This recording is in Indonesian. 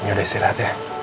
ini udah istirahat